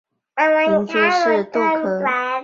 银珠是豆科盾柱木属的植物。